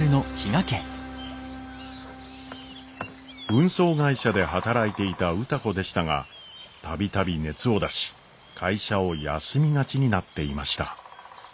運送会社で働いていた歌子でしたが度々熱を出し会社を休みがちになっていました。